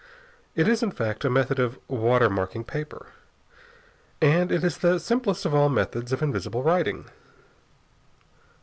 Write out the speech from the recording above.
It is, in fact, a method of water marking paper. And it is the simplest of all methods of invisible writing.